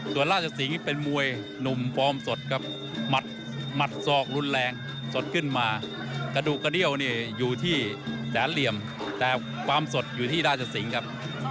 ส่วนราชสิงศ์เป็นมวยหนุ่มฟอร์มสดครับหมัดศอกรุนแรงสดขึ้นมากระดูกกระเดี้ยวเนี่ยอยู่ที่แสนเหลี่ยมแต่ความสดอยู่ที่ราชสิงห์ครับ